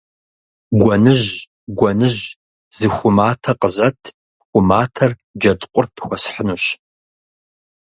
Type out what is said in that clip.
Гуэныжь, гуэныжь, зы ху матэ къызэт, ху матэр Джэдкъурт хуэсхьынущ.